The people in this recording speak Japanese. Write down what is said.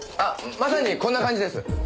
まさにこんな感じです。